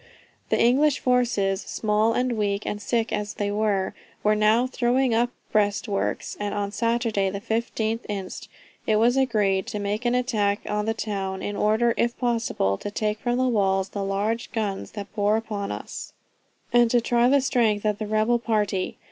The English forces, small and weak and sick as they were, were now throwing up breast works; and on Saturday the 15th inst. it was agreed to make an attack on the town, in order if possible to take from the walls the large guns that bore upon us, and to try the strength of the rebel party.